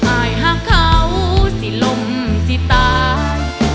อายหักเขาสิลมสิตาย